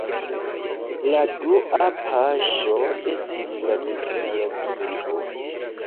La dua paŝo estis la teknologio.